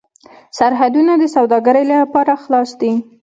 سرحدونه د سوداګرۍ لپاره خلاص دي.